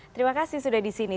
terima kasih sudah disini